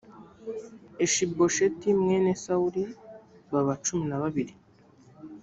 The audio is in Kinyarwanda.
ishibosheti mwene sawuli baba cumi na babiri